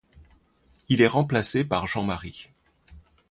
Il est remplacé par Jean Marie.